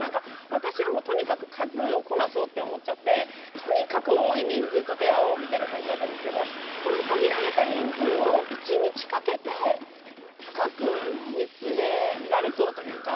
私はとにかく数をこなそうと思ったのでとにかく多い人数と出会おうみたいな感じだったんですけどこの限られた人数を１日かけて深く見つめられそうというか。